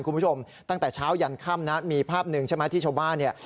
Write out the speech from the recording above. คุณผู้ชมตั้งแต่เช้ายันค่ำนะมีภาพหนึ่งใช่ไหมที่ชาวบ้านเนี่ย